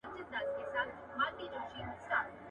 اغزى د گل د رويه اوبېږي.